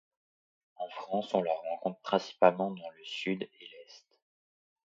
En France on la rencontre principalement dans le Sud et l'Est.